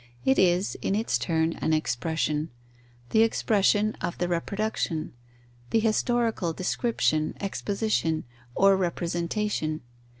It is, in its turn, an expression: the expression of the reproduction; the historical description, exposition, or representation.